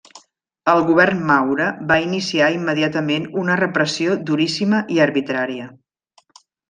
El govern Maura va iniciar immediatament una repressió duríssima i arbitrària.